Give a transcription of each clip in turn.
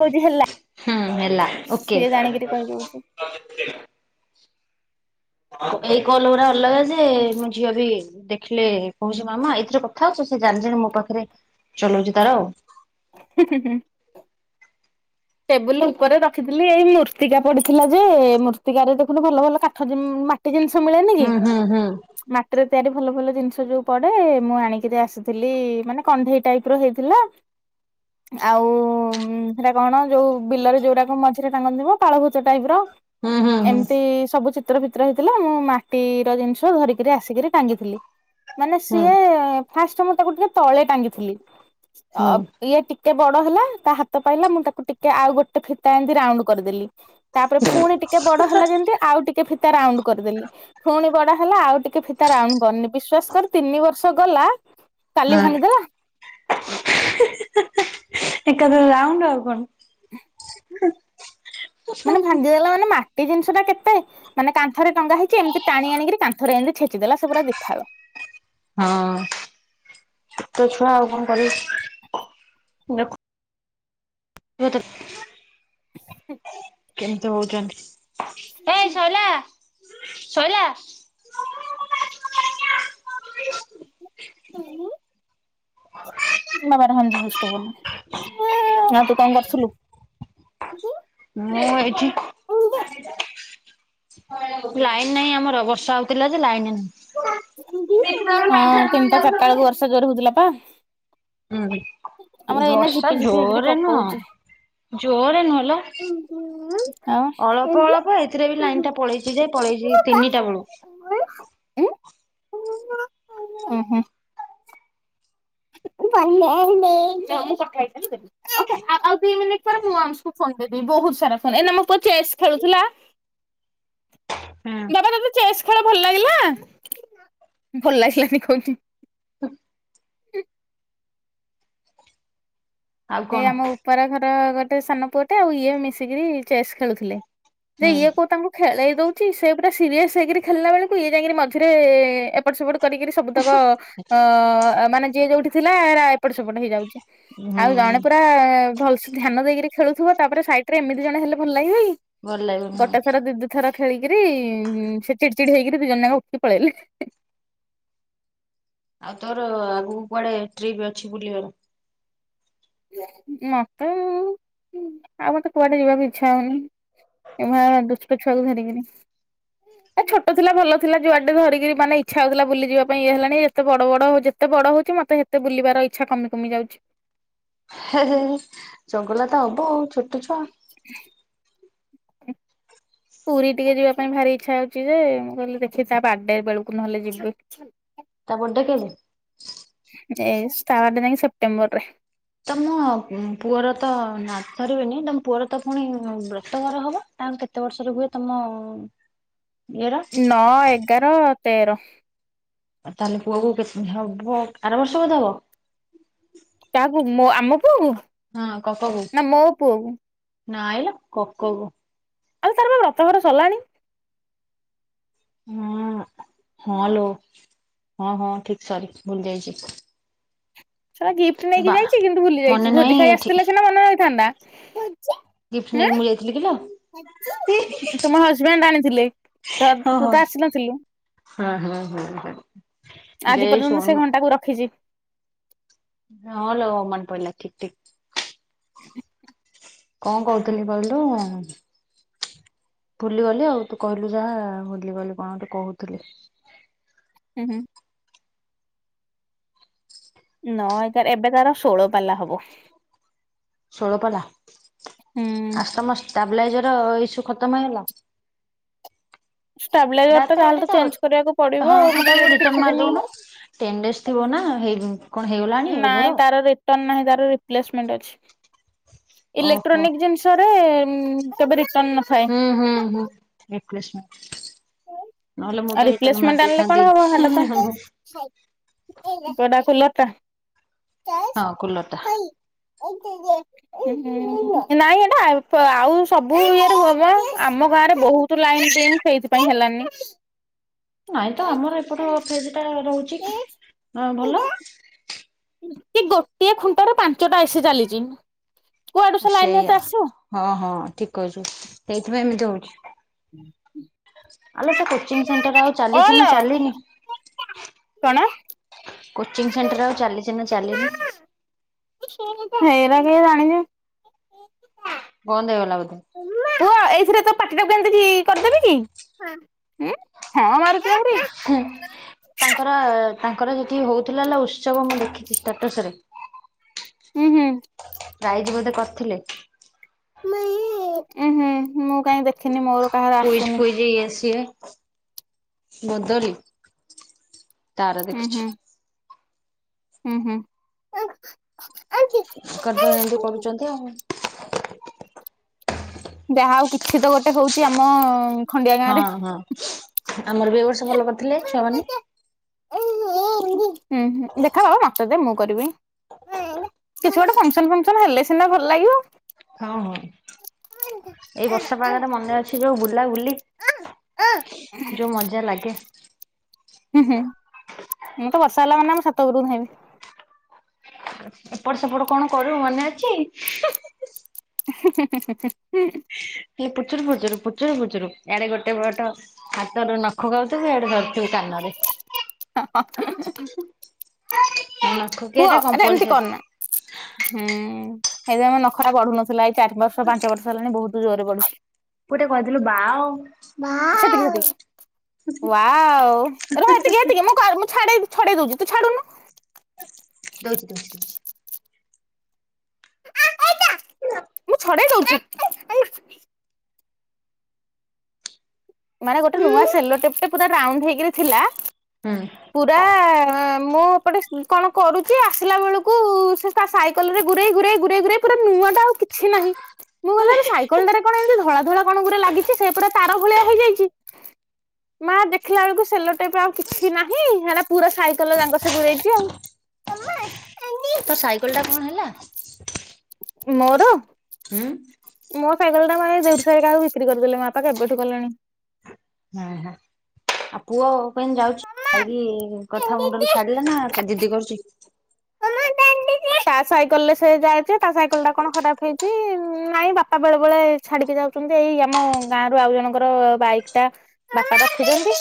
କଉଚି ହେଲା ହୁଁ ହେଲା ଓକେ ସିଏ ଜାଣିକିରି କହି ଦଉଚି। ଏଇ କଲ ଗୁରା ଅଲଗା ଯେ ମୋ ଝିଅ ବି ଦେଖିଲେ କହୁଚି ମାମା ଏଇଥିରେ କଥା ହଉଚ ସେ ଜାଣି ଜାଣି ମୋ ପାଖରେ ଚଲଉଚି ତାର ଆଉ। [unintelligible] ଟେବୁଲ ଉପରେ ରଖିଥିଲି ଏଇ ମୃତ୍ତିକା ପଡିଥିଲା ଯେ ମୃର୍ତ୍ତିକାରେ ଦେଖୁନୁ ଭଲ ଭଲ କାଠ ମାଟି ଜିନିଷ। ମିଳେନି କି ହୁଁ ହୁଁ ହୁଁ ମାଟିରେ ସିଆଡେ ଭଲ ଭଲ ଜିନିଷ ଯୋଉ ପଡେ ମୁଁ ଆଣିକିରି ଆସିଥିଲି ମାନେ କଣ୍ଢେଇ ର ହେଇଥିଲା ଆଉ ସେଟ କଣ ଯୋଉ ବିଲରେ ଯୋଉଡା ମଝିରେ ଟାଙ୍ଗନ୍ତିଥିବ ପାଳଭୂତ ଟାଇପ ର। ହୁଁ ହୁଁ ହୁଁ ଏମିତି ସବୁ ସି ଚିତ୍ର ଫିତ୍ର ହେଇଥିଲା ମୁଁ ମାଟିର ଜିନିଷ ଧରିକିରି ଆସିକିରି ଟାଙ୍ଗିଥିଲି। ମାନେ ହୁଁ ସିଏ ଫାଷ୍ଟ ମୁଁ ତାକୁ ଟିକେ ତଳେ ଟାଙ୍ଗିଥିଲି ଆ ହୁଁ ଇଏ ଟିକେ କେତେ ବଡ ହେଲା ତା ହାତ ପାଇଲା ମୁଁ ତା ତାକୁ ଟିକେ ଆଉ ଗୋଟେ ଫିତା ଏମିତି ରାଉଣ୍ଡ କରିଦେଲି। ତାପରେ ଫୁଣି ଟିକେ ବଡ ହେଲା ଯେମତି ଆଉ ଟିକେ ଫିତା ରାଉଣ୍ଡ କରିଦେଲି ଫୁଣି ବଡ ହେଲା ଆଉ ଟିକେ ଫିତା ରାଉଣ୍ଡ କରନି ବିଶ୍ଵାସ କର ତିନି ବର୍ଷ ଗଲା କାଲି ହଁ। ଭାଙ୍ଗିଦେଲା। ଏକାଥରେ ରାଉଣ୍ଡ ଆଉ କଣ? ମାନେ ଭାଙ୍ଗିଗଲା ମାନେ ମାଟି ଜିନିଷ ନେ ମାଟି ଜିନିଷ ଟା କେତେ, କାନ୍ଥ ଟା କେତେ ମାନେ କାନ୍ଥରେ ଟଙ୍ଗା ହେଇଛି ଏମିତି ଟାଣି ଆଣିକରି କାନ୍ଥରେ ଏମିତି ଛେଚିଦେଲା ସେ ପୁରା ଦିଫାଳ। ହଁ ଛୋଟ ଛୁଆ ଆଉ କଣ କରିବ? [unintelligible] [unintelligible] [unintelligible] କେମିତି ହଉଚନ୍ତି? ଏଇ ସଇଲା? ସଇଲା? [unintelligible] [unintelligible] ଅଉ ତୁ କଣ କରୁଥୁଲୁ? [unintelligible] ମୁଁ ଏଇଠି ଲାଇନ ନାହିଁ ଆମର ବର୍ଷା ହଉଥିଲା ଯେ ଲାଇନ ନାହିଁ। ହଁ ତିନିଟା ଚାରିଟା ବେଳକୁ ବର୍ଷା ଜୋରେ ହଉଥିଲା ପା। ଉଁ ହୁଁ। ଏ ଆମର ଏଇନା ବର୍ଷା ଝିପି ଝିପି ହେଇକିରି ଜୋରେ ପକଉଛି। ନୁହଁ ଜୋରେ ନୁହ ଲୋ ଆଉ ଉଁ ହୁଁ। ଆଉ ଅଳ୍ପ ଅଳ୍ପ ଏଥିରେ ବି ଲାଇନ ଟା ପଳେଇଚି ଯେ ପଳେଇଚି ତିନିଟା ବେଳୁ। ଓ ହୋ। [unintelligible] ଦି ମିନିଟ୍ ପରେ ମୁଁ ଅଂନଶକୁ ଖୋଇ ବହୁତ ସାରା ଫୋନ୍ ଏଇନା ମୋ ପୁଅ ଚେସ୍ ଖେଳୁଥିଲା ହୁଁ। ବାବା ତମେ ଚେସ୍ ଖେଳ ଭଲ ଲାଗିଲା? ଭଲ ଲାଗିଲାନି କହୁଚି। ହୁଁ। [inaudible] ଆଉ ଏଇ କଣ ଆମ ଉପର ଘର ର ଗୋଟେ ସାନ ପୁଅଟେ ଆଉ ଇଏ ମିଶିକିରି ଚେସ୍ ଖେଳୁଥିଲେ। ଯେ ହୁଁ ଇଏ କୋଉ ତାଙ୍କୁ ଖେଳେଇ ଦଉଚି ସେ ପୁରା ସିରିୟସ ହେଇକି ଖେଳିଲା ବେଳକୁ ଇଏ ଯାଇକି ମଝିରେ ଏପଟ ସେପଟ କରିକିରି ସବୁତକ ଅ ମାନେ ଯିଏ ଯୋଉଠି ଥିଲା ଏରା ଏପଟ ସେପଟ ହେଇଯାଉଛି। ଆଉ ଜଣେ ହୁଁ। ପୁରା ଭଲସେ ଧ୍ୟାନ ଦେଇକରି ଖେଳୁଥିବା ତାପରେ ସାଇଡରେ ଏମତି ଜଣ ହେଲେ ଭଲ ଲାଗିବକି ଭଲ ଲାଗିବନି ଆଉ। ଗୋଟେ ଥର ଦିଦି ଥର ଖେଳିକିରି ସେ ଚିଡି ଚିଡି ହେଇକିରି ଦି ଜଣ ଯାକ ଉଠି ପଳେଇଲେ। ଆଉ ତୋର ଆଗକୁ କୁଆଡେ ଟ୍ରିପ୍ ଅଛି ବୁଲିବାର? ମତେ ଆଉ ମତେ କୁଆଡେ ଯିବାକୁ ଇଚ୍ଛା ହଉନି ଏଇଭଳିଆ ଦୁଷ୍ଟ ଛୁଆକୁ ଧରିକରି ଏ ଛୋଟ ଥିଲା ଭଲ ଥିଲା ଯୁଆଡେ ଧରିକିରି ମାନେ ଇଛା ହଉଥିଲା ବୁଲି ଯିବା ପାଇଁ ଇ ହେଲାଣି ଯେତେ ବଡ ବଡ ହ ଯେତେ ବଡ ହଉଛି ମତେତେ ବୁଲିବାର ଇଛା କମି କମି ଯାଉଛି। ଚଗଲା ତ ହବ ଛୋଟ ଛୁଆ। [inaudible] ପୁରୀ ଟିକେ ଯିବା ପାଇଁ ଭାରି ଇଚ୍ଛା ହଉଛି ଯେ ମୁଁ କହିଲି ଦେଖି ତା ବାର୍ଡେ ବେଳୁକୁ ନହେଲେ ଯିବି। ତା ବଡେ କେବେ? ଏ ଷ୍ଟାର୍ଟ ଯାଇଁ ସେପ୍ଟେମ୍ବର ରେ। ତମ ପୁଅର ତ ନା ଧରିବିନି ତମ ପୁଅର ତ ପୁଣି ବ୍ରତଘର ହବ ତାହାଲେ କେତେ ବର୍ଷରେ ହୁଏ ତମ ଇଏର ନଅ ଏଗାର। ତେର। ଆଉ ତାହେଲେ ପୁଅକୁ କେତେ ହବ ଆର ବର୍ଷ ବୋଧେ ହବ? କାହା ପୁଅ ଆମ ନା ମୋ ପୁଅକୁ? ନାଇଁ ଲୋ କକକୁ। ଆଲେ ତାର ଵା ବ୍ରତଘର ସରିଲାଣି। ହଁ ହଁଲୋ ହଁ ହଁ ଠିକ ସରିଚି ଭୁଲି ଯାଇଛି। ଶଳା ଗିଫ୍ଟ ନେଇକି ବା ଯାଇଛି କିନ୍ତୁ ଭୁଲି ମନେ ଯାଇଛି ନାହିଁ ଭୋଜି ଖାଇ ଏଠି ଆସିଥିଲେ ସିନା ମନେ ରହିଥାନ୍ତା। [unintelligible] ଗିଫ୍ଟ ନେଇକି ମୁଁ ଯାଇଥିଲି କିଲୋ? ତୁମ ହଜବେଣ୍ଡ ଆାଣିଥିଲି ତ ହଁ ତୁ ହଁ ତ ଆସିନଥିଲୁ ହଁ ହଁ ହଁ ହଁ ଯେ ଆଜି ପର୍ଯ୍ୟନ୍ତ ମୁ ସେ ଶୁଣୁ ଘଣ୍ଟାକୁ ରଖିଛି। ହଁ ଲୋ ମନେ ପଇଲା ଠିକ ଠିକ। [unintelligible] କଣ କହୁଥିଲି କହିଲୁ ଭୁଲିଗଲି ଆଉ ତୁ କହିଲୁ ଯାହା ଭୁଲିଗଲି କଣ କହୁଥିଲି। ହୁଁ ହୁଁ। ନ ଏ ତ ଏବେ ତାର ଷୋହଳ ପାଲା ହବ। ଷୋଳପାଲା ହୁଁ। ଆସ୍ ମସ୍ତ ଷ୍ଟେବଲାଜର ଇସୁ ଖତମ ହେଇଗଲା? ଷ୍ଟାବିଲାଇଜର ଟା ଡାଟା ତାହେଲେ ହେଟି ତ ଚେଞ୍ଜ କରିବାକୁ ପଡିବ ଅ ହଁ ଆଉ ମୁଁ ହେଟା କହିଲି କୁ ଏଇଟା କିଛି ରିଟନ ଦିନି ମାରିଦଉନୁ ତେଡେନ୍ସ ଥିବନା ହେଇ କଣ ହେଇଗଲାଣି ଓଭର ନାଇଁ ତାର ରିଟର୍ଣ ନାହିଁ ତାର ରିପ୍ଲେସମେଣ୍ଟ ଅଛି। ଓହୋ ଇଲେକ୍ଟ୍ରୋନିକ ଜିନିଷରେ ହୁଁ ହୁଁ କେବେ ରି ହୁଁ ହୁଁ ହୁଁ। [unintelligible] ନହେଲେ ମୁଁ ଆଉ ତ ରିଟର୍ଣ ମାରି ରିପ୍ଲେସମେଣ୍ଟ ଆଣିଲେ ଦେଇଥାନ୍ତି। କଣ ହବ? କାହିଁ ହଁ କୁଲରଟା ନାଇଁ ଏଟା ଆଉ ସବୁ ଇଏରେ ହବ ଆମ ଗାଁରେ ବହୁତ ଲାଇନ ଡିମ୍ ସେଇଥିପାଇଁ। ପାଇଁ ହେଲାନି। ନାଇଁ ତ ଆମର ଏପଟ ଫ୍ରିଜ ଟା ରହୁଛି ହ ଭଲ ଏ ଗୋଟିଏ ଖୁଣ୍ଟ ର ପାଞ୍ଚଟା ଏସି ଚାଲିଛି। କୁଆଡୁ ସେ ଲାଇନ ସେଇଆ ଏତେ ଆସିବ। ହଁ ହଁ ଠିକ କହିଛୁ ସେଇଥିପାଇଁ ଏମିତି ହୋଉ [inaudible] ଆଲୋ ସେ କେତ୍ [inaudible] ଆଉ ଚାଲିଛି ନା ଓଲୋ ଚାଲିନି? କଣ? କୋଚିଂ ସେଣ୍ଟର ଆଉ ଚାଲିଚି ନା ଚାଲିନି? ହେଇରା କିଏ ଜାଣିଚି? ବନ୍ଦ ହୋଇଗଲା ବଧେ? ପାଟି ଟାକୁ ଏମତି କରିଦେବି କି ହଁ ମାରୁଚୁ ଆହୁରି। ତାଙ୍କର ତାଙ୍କର ଯେଠି ହଉଥିଲା ହେଲା ଉତ୍ସବ ମୁଁ ଦେଖିଛି ଷ୍ଟାଟସ ରେ ଉଁ ହୁଁ। ପ୍ରାଇଯ ବୋଧେ କରିଥିଲେ? ଉଁ ହୁଁ ମୁଁ କାହିଁ ଦେଖିନି ମୋର କାହାର କୁଇଜ୍ ଆସୁନି ଫୁଇଜ ଇଏ ସିଏ। ବୋଦଲି ତାର ଉଁ ଦେଖିଛି। ହୁଁ ହୁଁ। ତାଙ୍କର ତ ଏମିତି କରୁଛନ୍ତି ଆଉ। ଯାହା ଆଉ କିଛି ତ ଗୋଟେ ହଉଛି ଆମ ଖଣ୍ଡିଆ ଗାଁ ହଁ ହଁ। ଆମର ବି ଏବର୍ଷ ଭଲ କରିଥିଲେ ରେ। ଛୁଆମାନେ। ହୁଁ ହୁଁ ଦେଖା ବାବା ମତେ ଦେ ମୁଁ କରିବି କିଛି ଗୋଟେ ଫକ୍ସନ ଫୁକ୍ସନ ହେଲେ ସିନା ଭଲ ଲାଗିବ। ହଁ ହଁ ଏଇ ବର୍ଷାପାଗରେ ମନେ ଅଛି ଯୋଉ ବୁଲା ବୁଲି ଯୋଉ ମଜା ଲାଗେ। ହୁଁ ହୁଁ ମୁଁ ତ ବର୍ଷା ହେଲା ମାନେ ଆମ ଛାତ ଉପରକୁ ଧାଇଁବି। ଏପଟ ସେପଟ କଣ କରୁ ମନେ ଅଛି ହିଁ। ହିଁ ହିଁ ହୁ ହୁ। ହେଲେ ପୁଚୁରୁ ପୁଚୁରୁ ପୁଚୁରୁ ପୁଚୁରୁ ଇଆଡେ ଗୋଟେ ପଟ ହାତର ନଖ ଖାଉଥିବୁ ଇଆଡେ ଧରୁ ହଁ ହଁ [unintelligible] ନଖ ଖିଆ ପୁଅ ଟା ଏଟା ଏମିତି କମ୍ପଲସରି। କର ନା ହୁଁ। ହେଲେ ମୋ ନଖଟା ବଢୁନଥିଲା ଏ ଚାରିବର୍ଷ ପାଞ୍ଚବର୍ଷ ହେଲାଣି ବୋହୁତ ଏତେ ଜୋରରେ ବଢୁଛି। ପୁଅ ଟିକେ କହିଦେଲୁ ବାଓ ସେତିକି ସେତିକି ୱାଓ ରହ ଏତିକି ଏତିକି ମୁଁ [unintelligible] ମୁଁ ଛାଡେଇ ଛଡେଇ ଦୋଉଚି ତୁ ଛାଡୁନୁ। ଦୋଉଚି ଦୋଉଚି ଦୋଉଚି। ଆଁ ଏଇଟା। ମୁଁ ଛଡେଇ ଦୋଉଚି ନା ଆରେ ଆରେ ନାଁ। ମାନେ ଗୋଟେ ନୂଆ ସେଲୋଟେପଟେ ପୁରା ରାଉଣ୍ଡ ହେଇକିରି ଥିଲା। ହୁଁ ପୁରା ଆ ମୁଁ ଏପଟେ କଣ କରୁଛି ଆସିଲା ବେଳକୁ ସେ ତା ସାଇକେଲ ରେ ଗୁରେଇ ଗୁରେଇ ଗୁରେଇ ଗୁରେଇ ପୁରା ନୂଆ ଟା ଆଉ କିଛି ନାହିଁ। ମୁଁ ଗଲାରେ ସାଇକଲ୍ଟାରେ କଣ ଏମତି ଧଳା ଧଳା କଣଗୁରା ଲାଗିଛି ସେପଟ ତାର ଭଳିଆ ହେଇଯାଇଚି ମା ଦେଖିଲା ବେଳକୁ ସେଲୋଟେପ୍ ଆଉ କିଛି ନାହିଁ ହେରା ପୁରା ସାଇକଲ ଯାଙ୍କ ସେ ଗୁରେଇଚି ଆଉ ତୋ ସାଇକଲ ଟା କଣ ହେଲା। ମୋର ହଁ। ମୋ ସାଇକେଲଟାକୁ ଆଣି ଦେଉର ସାହିରେ କାହାକୁ ବିକ୍ରି କରିଦେଲେ ମା ବାପା କେବେଠୁ କଲେଣି। ହୁଁ ହ ଆଉ ପୁଅ ପାଇଁ ଯାଉଛି। କଥା ମୁଣ୍ଡରୁ ଛାଡିଲେ ନା ଜିଦି କରୁଛି। ତା ସାଇକେଲ ରେ ସେ ଯାଏ ଯେ ତା ସାଇକେଲ ଟା କଣ ଖରାପ ହେଇଛି ନାଇଁ ବାପା ବେଳେ ବେଳେ ଛାଡିକି ଯାଉଛନ୍ତି, ଏଇ ଆମ ଗାଁ ର ଆଉ ଜଣଙ୍କର ବାଇକ୍ ଟା ବାପା ରଖିଛନ୍ତି।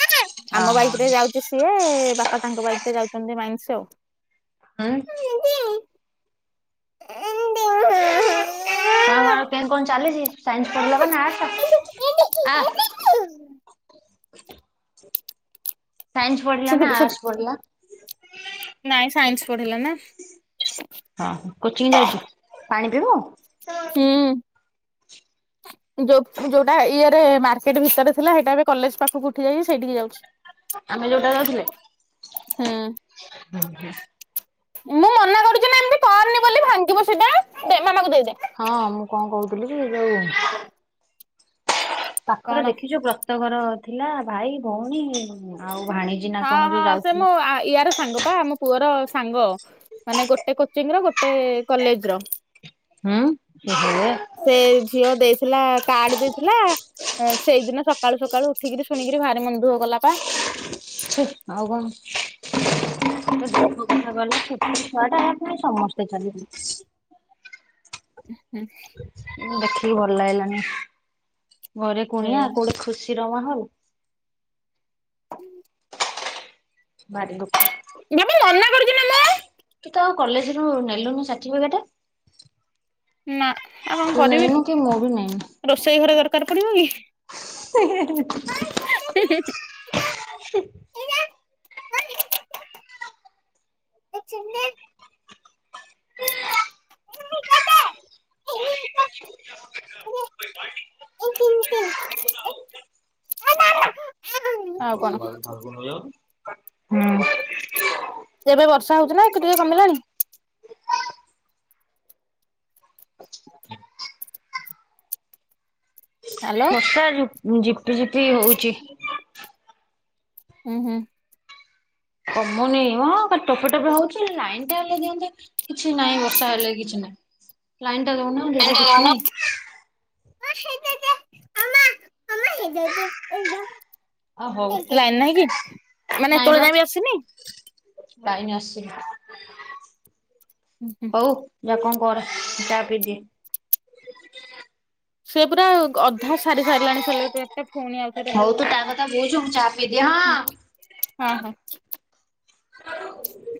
ମାମା ଆମ ବାଇକ ଓହୋ ରେ ଯାଉଛି ସିଏ ବାପା ବା ତାଙ୍କ ବାଇକ ରେ ଯାଉଛନ୍ତି ମାଇନ୍ସ ଆଉ। ହୁଁ ଆଉ [unintelligible] [unintelligible] ତା ଘ କେନ୍ତି କଣ ଚାଲିଛି? ସାଇନ୍ସ ପଢିଲା ବା ନା ଆସ? ସାଇନ୍ସ ପଢଡ଼ିଲା ନା ସେତିକି ଆର୍ଟସ୍ ସେତିକି ପଢ଼ିଲା? ନାଇଁ ସାଇନ୍ସ ପଢିଲା ନା ହଁ କୋଚିଂ ଯାଉଛୁ ପାଣି ପିଇବୁ? ହୁଁ। ଯୋଉ ଯୋଉଟା ଇଏରେ ମାର୍କେଟ ଭିତରେ ଥିଲା ସେଇଟା ଏବେ କଲେଜ ପାଖକୁ ଉଠି ଯାଇକି ସେଇଠିକି ଯାଉଚି। ଆମେ ଯୋଉଟାରେ ରହୁଥିଲେ। ହୁଁ। [unintelligible] ମୁଁ ମନା କରୁଛି ନା ଏମତି କରନି ବୋଲି ଭାଙ୍ଗିବ ସେଟା ଦେ ମାମାକୁ ଦେ। ହଁ ମୁଁ କଣ କହୁଥି ଲିକି ଯୋଉ। ପାଖରେ କଣ ଦେଖିଛୁ ପ୍ର ଟ ଘର ଥିଲା ଭାଇ ଭଉଣୀ ଆଉ। ଭାଣିଜୀ ନା ହଁ କଣ ଯୋଉ ହଁ ସେ ଯାଉଥିଲେ ମୋ ୟା ର ସାଙ୍ଗପା ଆମ ପୁଅର। ସାଙ୍ଗ। ମାନେ ଗୋଟେ କୋଥ। କୋଚିଙ୍ଗ ର ଗୋଟେ କଲେଜ ର। ହଁ। ସେ ଝିଅ ଦେଇଥିଲା କାର୍ଡ ଦେଇଥିଲା। ସେଇଦିନ ସକାଳୁ ସକାଳୁ ଉଠିକିରି ଶୁଣିକିରି ଭାରି ମନ ଦୁଖ କଲା ପା। ଛେ ଆଉ କଣ ସେ [unintelligible] ଛୁଆ ଟା ହେ ସମସ୍ତେ ଚାଲିଗଲେ। ହ ଦେଖ। ଖିକୀ ଭଲ ଲାଗିଲାନି। ଘରେ କୁଣିଆ କୋଉଠି ଖୁସି ରହି ହଉ। ହୁଁ ବାରି ଙ୍ଗୁ। ବାବୁ ମନା କରୁଛି ନା ମୁ। କଲେଜ ରୁ ନେଲୁନି ସାତିଫିକେଟ। ନା। ଆଉ କଣ କରିବି ବି ନେଇନି। ରୋଷେଇ ଘରେ ଦରକାର ପଡିବ କି। [unintelligible] ଆଉ କଣ [unintelligible] ହୁଁ। ଏବେ ବର୍ଷା ହଉଛି ନା ଟିକେ କମିଲାଣି। ହାଲୋ ବର୍ଷା ଆଯୁ। ମୁଁ ଜିପି ଜିପି ହଉଛି। [inaudible] ହୁଁ ହୁଁ। କମୁନି ହଁ ଟୋପ ଟପ ହଉଛି ଲାଇନ ଟା ହେଲେ ଦିଅନ୍ତେ କିଛି ନାଇଁ ବର୍ଷା ହେଲେ କିଛି ନାଇଁ ଲା ଦଉନାହାନ୍ତି ସେ କିଛି ନାଇଁ [inaudible] [inaudible] [inaudible] ଲାଇନ୍ ନାଇଁ କି ଆ ହଉ ମାନେ ଏତଲ ଯାଏ ନାଇଁ ବା ବି ଆସିନି? ଲାଇନ ଆସିନି। ହୁଁ ହୁଁ ହୋଉ ଯା କଣ। [unintelligible] ସେ ପୁରା ଅଧା ସାରି ସାରିଲାଣି ସିଲେ ପୁଣି ଆଉଥରେ ତୁ ହଉ ତା ର [inaudible] ହଁ କଥା ବୁଝୁ ମୁଁ ଚା ପିଇଦିଏ ହଁ। ହଁ। [inaudible]